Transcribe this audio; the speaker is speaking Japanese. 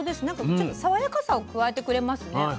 なんかちょっと爽やかさを加えてくれますね。